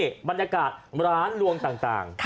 นี่บรรยากาศร้านลวงต่าง